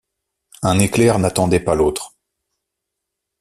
Un éclair n’attendait pas l’autre.